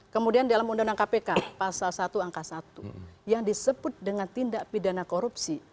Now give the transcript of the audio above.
kemudian dalam undang undang kpk pasal satu angka satu yang disebut dengan tindak pidana korupsi